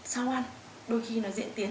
sau đó đôi khi nó diễn tiến